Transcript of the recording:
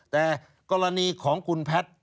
แต่กรณีของคุณแพทย์